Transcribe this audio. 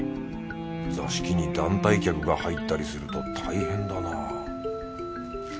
座敷に団体客が入ったりすると大変だな